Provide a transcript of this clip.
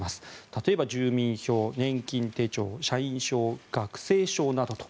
例えば住民票、年金手帳社員証、学生証などと。